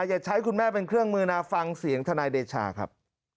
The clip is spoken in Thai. อย่าใช้คุณแม่เป็นเครื่องมือนะฟังเสียงทนายเดชาครับ